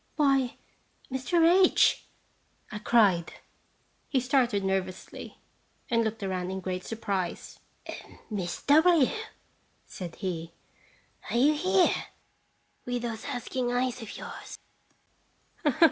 "Why, Mr. H !" I cried. He started nervously, and looked around in great surprise. "Miss W !" said he, "are you here? with those asking eyes of yours?